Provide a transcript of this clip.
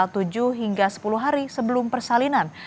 tujuh hingga sepuluh hari sebelum persalinan